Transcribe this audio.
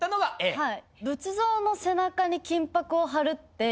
はい。